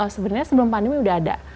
sebenarnya sebelum pandemi udah ada